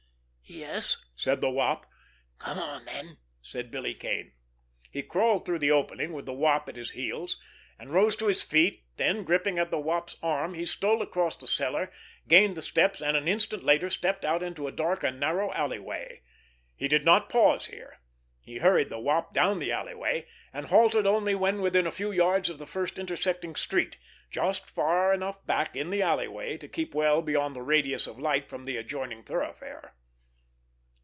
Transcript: "Yes," said the Wop. "Come on, then," said Billy Kane. He crawled through the opening with the Wop at his heels, and rose to his feet, then gripping at the Wop's arm, he stole across the cellar, gained the steps and, an instant later, stepped out into a dark and narrow alleyway. He did not pause here; he hurried the Wop down the alleyway, and halted only when within a few yards of the first intersecting street: just far enough back in the alleyway to keep well beyond the radius of light from the adjoining thoroughfare.